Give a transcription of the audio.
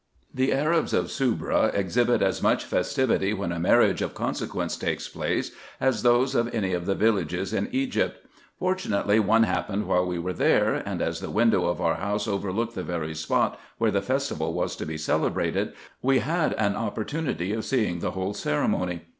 The Arabs of Soubra exhibit as much festivity, when a marriage of consequence takes place, as those of any of the villages in Egypt. Fortunately, one happened while we were there ; and as the window of our house overlooked the very spot where the festival Mas to be celebrated, we had an opportunity of seeing the whole ceremony.